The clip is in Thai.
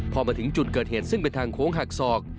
พอมาถึงจุดเกิดเหตุซึ่งเป็นทางโค้งหักศอก